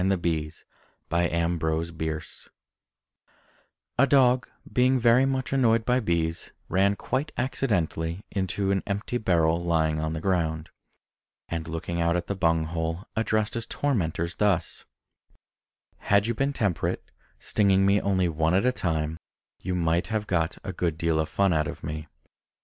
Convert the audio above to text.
THE DOG AND THE BEES A dog being very much annoyed by bees, ran quite accidently into an empty barrel lying on the ground, and looking out at the bung hole, addressed his tormentors thus: "Had you been temperate, stinging me only one at a time, you might have got a good deal of fun out of me.